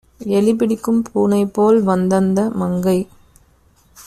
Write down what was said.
எலிபிடிக்கும் பூனைபோல் வந்தந்த மங்கை